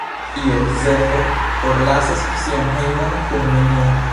Jozefo forlasas sian hejmon kun nenio.